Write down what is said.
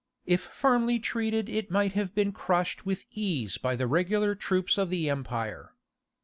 If firmly treated it might have been crushed with ease by the regular troops of the empire.